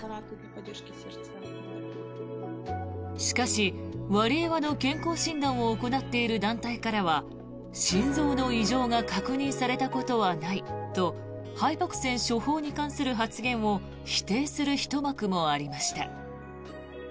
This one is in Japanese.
しかし、ワリエワの健康診断を行っている団体からは心臓の異常が確認されたことはないとハイポクセン処方に関する発言を否定するひと幕もありました。